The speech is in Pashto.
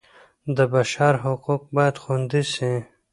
د بشر حقوق باید خوندي سي.